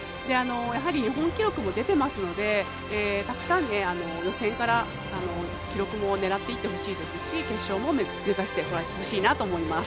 やはり日本記録も出てますのでたくさん予選から記録も狙っていってほしいですし決勝も目指してほしいなと思います。